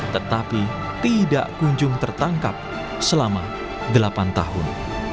tetapi tidak kunjung tertangkap selama delapan tahun